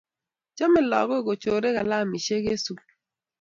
Chomei lakok kochorei kalamishe eng sukul.